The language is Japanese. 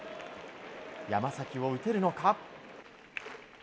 山崎を打てるのか？